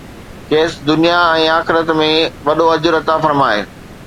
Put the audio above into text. کيس دنيا ۽ آخرت ۾ وڏو اجر عطا فرمائي.